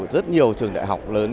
rất nhiều trường đại học lớn